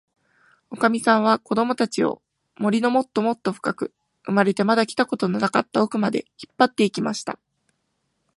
おかみさんは、こどもたちを、森のもっともっとふかく、生まれてまだ来たことのなかったおくまで、引っぱって行きました。